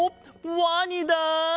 ワニだ！